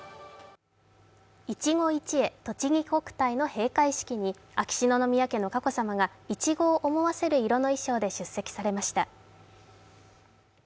いちご一会とちぎ国体の閉会式に秋篠宮家の佳子さまがいちごを思わせる色の衣装で出席されました。